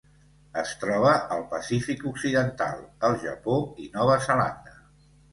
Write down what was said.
Es troba al Pacífic occidental: el Japó i Nova Zelanda.